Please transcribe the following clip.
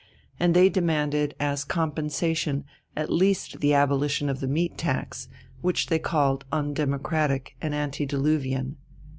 and they demanded as compensation at least the abolition of the meat tax, which they called undemocratic and antediluvian.